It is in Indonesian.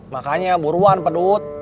makanya buruan pedut